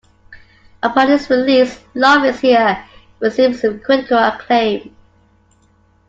Upon its release, "Love Is Here" received some critical acclaim.